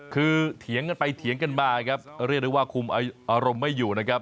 คือเถียงกันไปเถียงกันมาครับเรียกได้ว่าคุมอารมณ์ไม่อยู่นะครับ